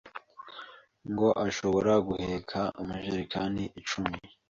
ngo ashobora guheka amajerakani icumi